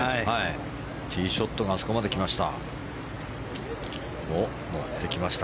ティーショットがあそこまで来ました。